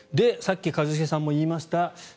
さっき一茂さんも言いました